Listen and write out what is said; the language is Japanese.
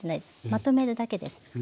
まとめるだけです。